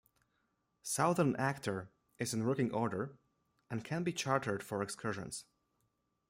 "Southern Actor" is in working order and can be chartered for excursions.